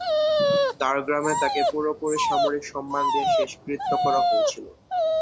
তাঁর নিজ গ্রামে তাঁকে পুরো সামরিক সম্মান দিয়ে শেষকৃত্য করা হয়েছিল।